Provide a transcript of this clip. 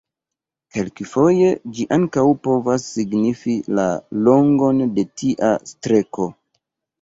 Kelkfoje ĝi ankaŭ povas signifi la longon de tia streko.